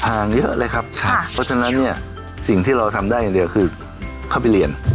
เยอะเลยครับเพราะฉะนั้นเนี่ยสิ่งที่เราทำได้อย่างเดียวคือเข้าไปเรียน